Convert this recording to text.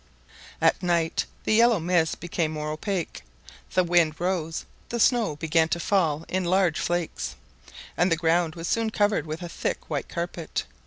At night the yellow mist became more opaque; the wind rose, the snow began to fall in large flakes, and the ground was soon covered with a thick white carpet.